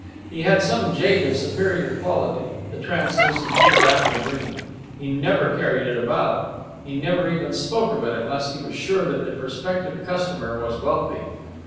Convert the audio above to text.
He had some jade of superior quality the translucent deep apple green. He never carried it about; he never even spoke of it unless he was sure that the prospective customer was wealthy.